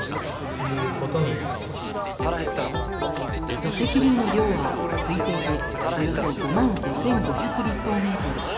土石流の量は推定でおよそ５万５０００立方メートル。